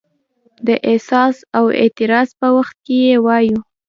د احساس او اعتراض په وخت یې وایو.